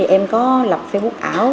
em có lập facebook ảo